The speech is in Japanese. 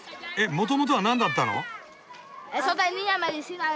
もともとは何だったの？